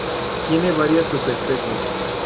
Tiene varias subespecies.